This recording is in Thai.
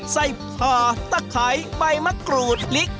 ใส่ผลาตะไข่ใบมะกรูดลิค